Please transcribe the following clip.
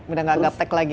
udah gak gap tech lagi